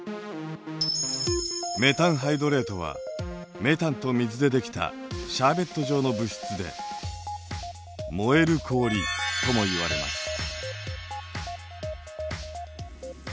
メタンハイドレートはメタンと水でできたシャーベット状の物質で燃える氷ともいわれます。